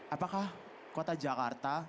apakah kota jakarta